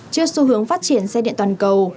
chưa xu hướng phát triển xe điện toàn cầu